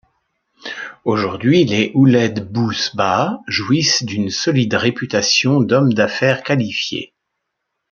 Aujourd'hui, les Ouled Bou Sbaa jouissent d’une solide réputation d’hommes d’affaires qualifiés.